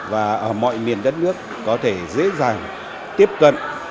và ở mọi miền đất nước có thể dễ dàng tiếp cận